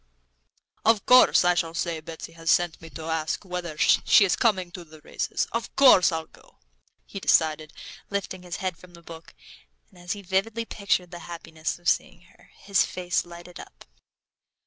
"Of course I shall say Betsy has sent me to ask whether she's coming to the races. Of course, I'll go," he decided, lifting his head from the book. And as he vividly pictured the happiness of seeing her, his face lighted up.